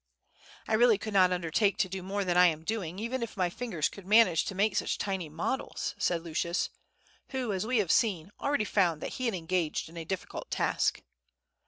"I really could not undertake to do more than I am doing, even if my fingers could manage to make such tiny models," said Lucius, who, as we have seen, already found that he had engaged in a difficult task.